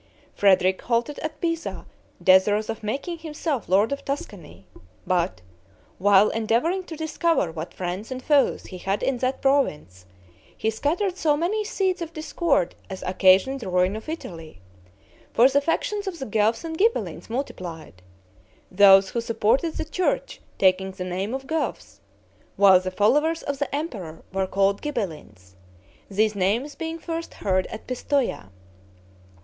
Frederick halted at Pisa, desirous of making himself lord of Tuscany; but, while endeavoring to discover what friends and foes he had in that province, he scattered so many seeds of discord as occasioned the ruin of Italy; for the factions of the Guelphs and Ghibellines multiplied, those who supported the church taking the name of Guelphs, while the followers of the emperor were called Ghibellines, these names being first heard at Pistoia.